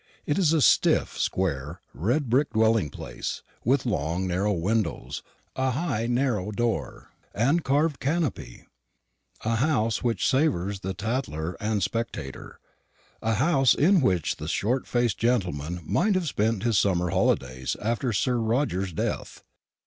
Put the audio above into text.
It is a stiff, square, red brick dwelling place, with long narrow windows, a high narrow door, and carved canopy; a house which savours of the Tatler and Spectator; a house in which the short faced gentleman might have spent his summer holidays after Sir Roger's death.